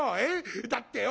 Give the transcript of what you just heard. だってよ